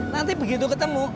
nanti begitu ketemu